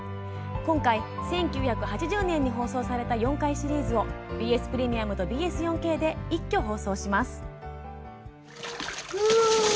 今回、１９８０年に放送された４回シリーズをＢＳプレミアムとＢＳ４Ｋで一挙放送します。